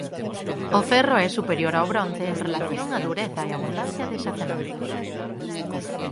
O ferro é superior ao bronce en relación á dureza e abundancia de xacementos.